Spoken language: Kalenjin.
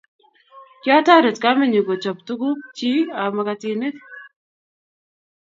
Kiatorit kamenyu kochob tukuk chik ab makatinik